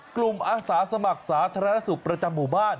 อาสาสมัครสาธารณสุขประจำหมู่บ้าน